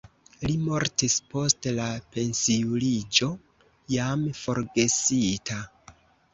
Li mortis post la pensiuliĝo jam forgesita.